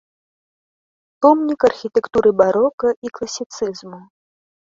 Помнік архітэктуры барока і класіцызму.